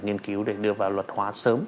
nghiên cứu để đưa vào luật hóa sớm